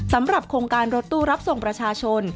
สำหรับโครงการรถตู้รับส่งประชาชน